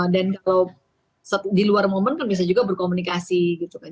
dan kalau di luar momen kan bisa juga berkomunikasi gitu kan